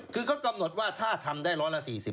คือเขากำหนดว่าถ้าทำได้ร้อยละ๔๐